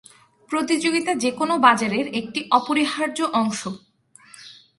প্রতিযোগিতা যেকোনো বাজারের একটি অপরিহার্য অংশ।